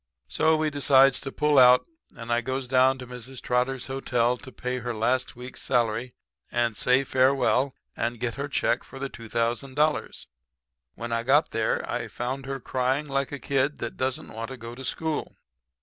"So we decides to pull out, and I goes down to Mrs. Trotter's hotel to pay her last week's salary and say farewell and get her check for the $2,000. "When I got there I found her crying like a kid that don't want to go to school.